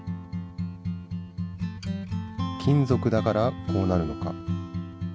金ぞくだからこうなるのか？